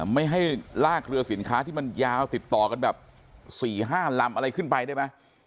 ไม่ให้ลากเรือสินค้าที่มันยาวติดต่อกันแบบ๔๕ลำอะไรขึ้นไปได้ไหม